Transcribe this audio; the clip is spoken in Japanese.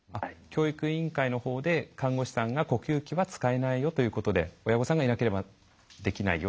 教育委員会の方で看護師さんが呼吸器は使えないよということで親御さんがいなければできないよということですか？